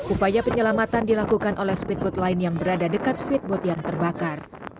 upaya penyelamatan dilakukan oleh speedboat lain yang berada dekat speedboat yang terbakar